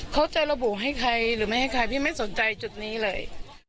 เขาจะระบุให้ใครหรือไม่ให้ใครพี่ไม่สนใจจุดนี้เลย